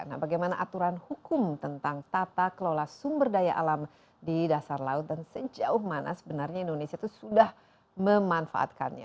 nah bagaimana aturan hukum tentang tata kelola sumber daya alam di dasar laut dan sejauh mana sebenarnya indonesia itu sudah memanfaatkannya